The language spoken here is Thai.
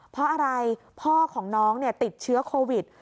เพราะอะไรพ่อของน้องติดเชื้อโควิด